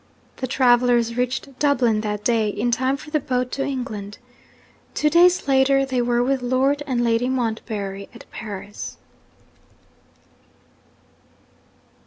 The travellers reached Dublin that day, in time for the boat to England. Two days later, they were with Lord and Lady Montbarry at Paris.